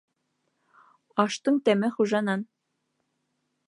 Аштың тәме хужанан.